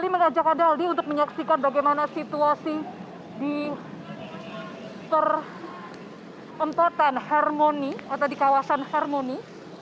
saya mengajak adaldi untuk menyaksikan bagaimana situasi di terempatan harmoni atau di kawasan harmoni